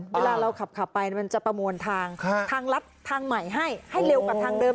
เวลาเราขับไปมันจะประมวลทางทางลัดทางใหม่ให้ให้เร็วกว่าทางเดิม